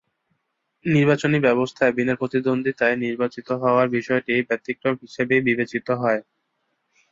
নির্বাচনী ব্যবস্থায় বিনা প্রতিদ্বন্দ্বিতায় নির্বাচিত হওয়ার বিষয়টি ব্যতিক্রম হিসেবেই বিবেচিত হয়।